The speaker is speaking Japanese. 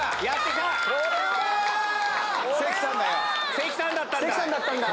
関さんだったんだ！